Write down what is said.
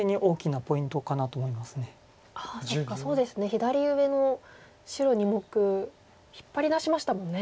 左上の白２目引っ張り出しましたもんね。